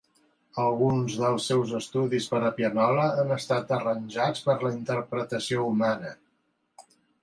Alguns dels seus estudis per a pianola han estat arranjats per a la interpretació humana.